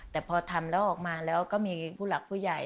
แต่พอทำแล้วออกมาแล้วก็มีผู้หลักผู้ใหญ่